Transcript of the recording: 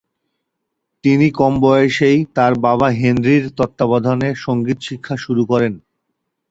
তিনি কম বয়সেই তার বাবা হেনরির তত্ত্বাবধানে সঙ্গীত শিক্ষা শুরু করেন।